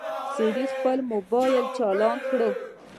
سړي خپل موبايل چالان کړ.